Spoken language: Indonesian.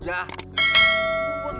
siapa sebagai penjajah